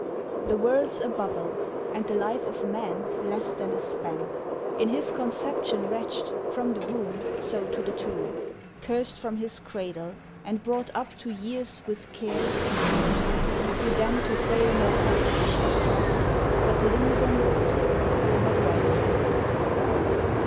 The World's a bubble, and the Life of Man Less than a span: In his conception wretched, from the womb, So to the tomb; Curst from his cradle, and brought up to years With cares and fears. Who then to frail mortality shall trust, But limns on water, or but writes in dust.